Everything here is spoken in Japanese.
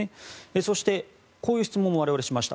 そして、こういう質問を我々はしました。